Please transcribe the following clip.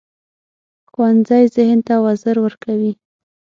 ښوونځی ذهن ته وزر ورکوي